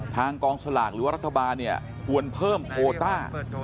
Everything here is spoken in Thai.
ทางกองสลากหรือว่ารัฐบาลเนี่ยควรเพิ่มโคต้า